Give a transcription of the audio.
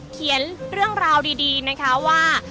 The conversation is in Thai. เขียนเรื่องราวดีนะคะว่า